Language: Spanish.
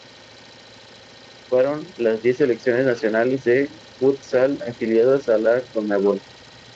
Participaron las diez selecciones nacionales de futsal afiliadas a la Conmebol.